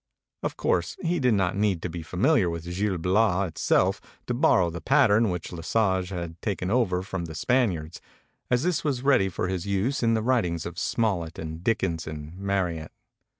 Of course, he did not need to be familiar with 'Gil Bias' itself to borrow the pattern which Le Sage had taken over from the Spaniards, as this was ready for his use in (he writings of Smollett and Dickens and Marryat.